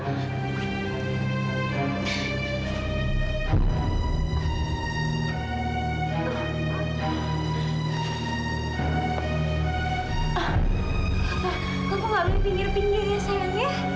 kava kava gak boleh pinggir pinggir ya sayang ya